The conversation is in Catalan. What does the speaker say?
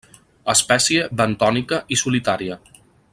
Espècie bentònica i solitària.